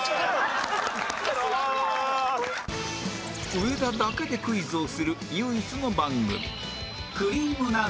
上田だけでクイズをする唯一の番組